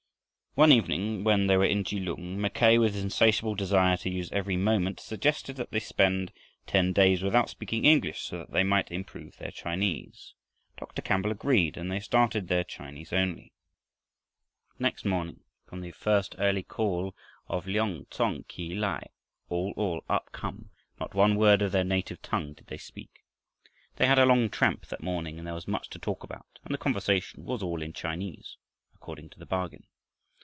One evening, when they were in Kelung, Mackay, with his insatiable desire to use every moment, suggested that they spend ten days without speaking English, so that they might improve their Chinese. Dr. Campbell agreed, and they started their "Chinese only." Next morning from the first early call of "Liong tsong khi lai," "All, all, up come," not one word of their native tongue did they speak. They had a long tramp that morning and there was much to talk about and the conversation was all in Chinese, according to the bargain.